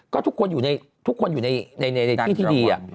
ก็ทุกคนอยู่ในที่ที่ดี